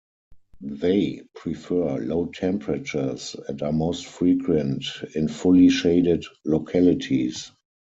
They prefer low temperatures and are most frequent in fully shaded localities.